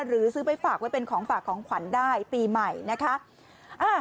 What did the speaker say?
หรือซื้อไปฝากไว้เป็นของฝากของขวัญได้ปีใหม่นะคะ